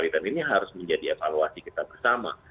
dan ini harus menjadi evaluasi kita bersama